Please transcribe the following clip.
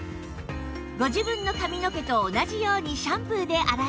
ご自分の髪の毛と同じようにシャンプーで洗えます